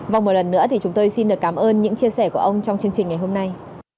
vâng một lần nữa thì chúng tôi xin được cảm ơn những chia sẻ của ông trong chương trình ngày hôm nay